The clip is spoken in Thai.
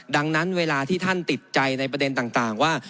ดังนั้นเวลาที่ท่านติดใจในประเด็นต่างว่า